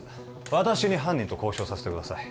私に犯人と交渉させてください